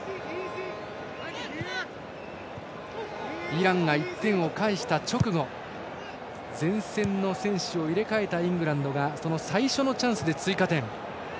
イランが１点を返した直後前線の選手を入れ替えたイングランドがその最初のチャンスで追加点。